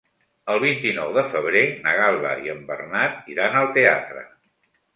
El vint-i-nou de febrer na Gal·la i en Bernat iran al teatre.